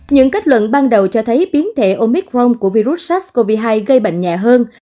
những kết luận ban đầu cho thấy biến thể omicron của virus sars cov hai gây bệnh nhẹ hơn